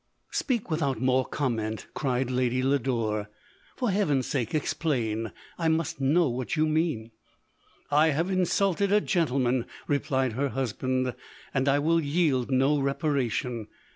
1 '" Speak without more comment, 11 cried Lady Lodore ; "for Heaven's sake explain — I must know what you mean.' 1 " I have insulted a gentleman, 1 ' replied her husband, '* and I will yield no reparation.